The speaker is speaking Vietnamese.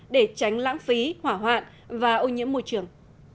để tránh lãng phí hỏa hoạn và ô nhiễm môi trường